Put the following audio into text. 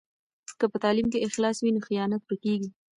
که په تعلیم کې اخلاص وي نو خیانت ورکېږي.